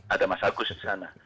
ada mas agus di sana